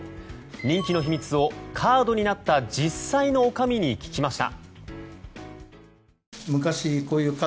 人気の秘密をカードになった実際の女将に聞きました。